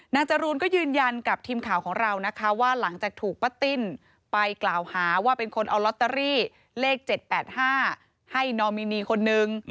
จรูนก็ยืนยันกับทีมข่าวของเรานะคะว่าหลังจากถูกป้าติ้นไปกล่าวหาว่าเป็นคนเอาลอตเตอรี่เลข๗๘๕ให้นอมินีคนนึง